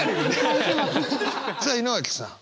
さあ井之脇さん。